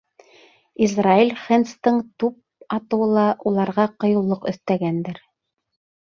Израэль Хэндстың туп атыуы ла уларға ҡыйыулыҡ өҫтәгәндер.